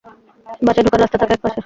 বাসায় ঢোকার রাস্তা থাকে এক পাশে।